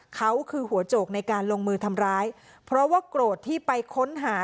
เขาคือหัวโจกในการลงมือทำร้ายเพราะว่าโกรธที่ไปค้นหา